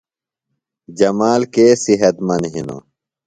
جمال کے صحت مند ہِنوۡ؟